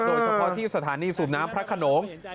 โดยเฉพาะที่สถานีสูบน้ำพระขนง